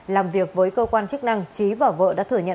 làm việc với cơ quan chức năng trí và vợ đã thừa nhận